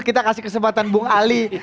kita kasih kesempatan bung ali